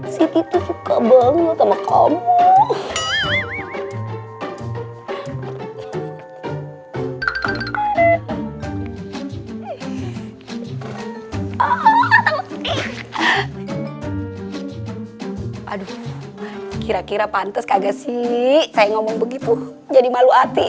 siti tuh suka banget sama kamu